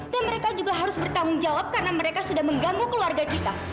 dan mereka juga harus bertanggung jawab karena mereka sudah mengganggu keluarga kita